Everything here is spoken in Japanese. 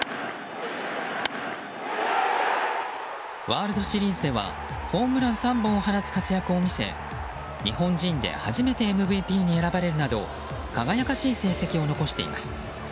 ワールドシリーズではホームラン３本を放つ活躍を見せ日本人で初めてＭＶＰに選ばれるなど輝かしい成績を残しています。